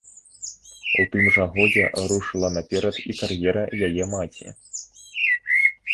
У тым жа годзе рушыла наперад і кар'ера яе маці.